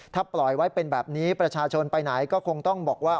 ถ้าปล่อยไว้เป็นแบบนี้ประชาชนไปไหนก็คงต้องบอกว่า